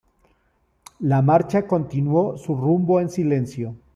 La marcha continuó su rumbo en silencio.